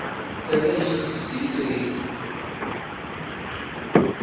Terra-iyi d titrit.